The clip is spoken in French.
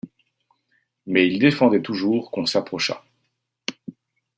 Mais il défendait toujours qu’on s’approchât